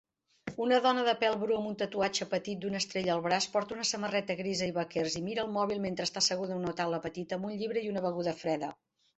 Una dona de pèl bru amb un tatuatge petit d'una estrella al braç porta una samarreta grisa i vaquers i mira el mòbil mentre està asseguda a una taula petita amb un llibre i una beguda freda